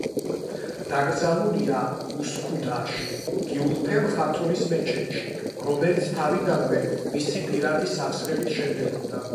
დაკრძალულია უსქუდარში, გიულფემ ხათუნის მეჩეთში, რომელიც თავიდანვე მისი პირადი სახსრებით შენდებოდა.